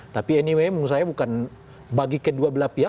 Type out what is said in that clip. tapi anyway menurut saya bukan bagi kedua belah pihak